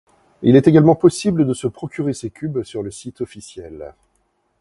Il est également possible de se procurer ces cubes sur le site officiel.